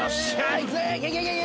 いくぜ。